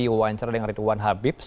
diwawancara dengan ridwan habib